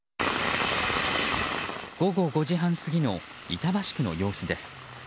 午後５時半過ぎの板橋区の様子です。